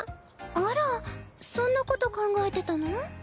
あらそんなこと考えてたの？